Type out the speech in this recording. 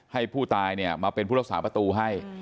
ให้ผู้ตายมาเป็นผู้รักษาประตูให้